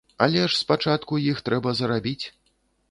Але ж спачатку іх трэба зарабіць!